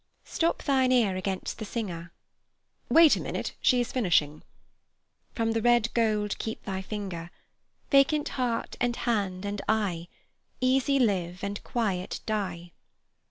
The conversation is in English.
"Stop thine ear against the singer—" "Wait a minute; she is finishing." "From the red gold keep thy finger; Vacant heart and hand and eye Easy live and quiet die."